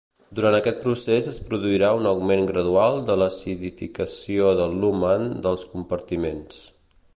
Durant aquest procés es produirà un augment gradual de l'acidificació del lumen dels compartiments.